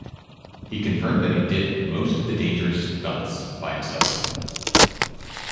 He confirmed that he did most of the dangerous stunts by himself.